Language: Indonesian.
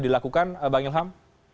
dilakukan bang ilham